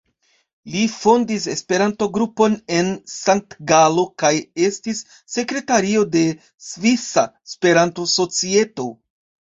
Li fondis Esperanto-grupon en Sankt-Galo kaj estis sekretario de Svisa Esperanto-Societo.